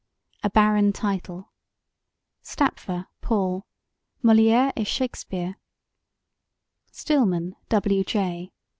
A Barren Title STAPFER, PAUL: Moliere et Shakespeare STILLMAN, W. J.